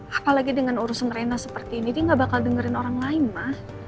apalagi dengan urusan rena seperti ini dia gak bakal dengerin orang lain mah